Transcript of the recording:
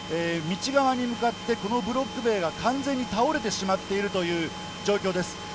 道側に向かって、このブロック塀が完全に倒れてしまっているという状況です。